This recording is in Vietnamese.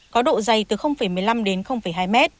có độ dày từ một mươi năm đến hai m